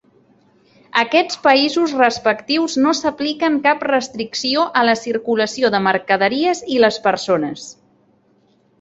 Aquests països respectius no s'apliquen cap restricció a la circulació de mercaderies i les persones.